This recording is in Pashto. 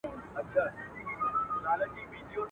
نه تا کړي، نه ما کړي.